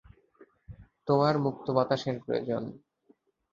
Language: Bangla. তোমার মুক্ত বাতাসের প্রয়োজন।